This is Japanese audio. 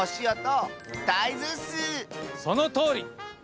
そのとおり！